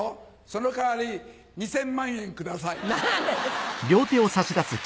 その代わり２０００万円ください。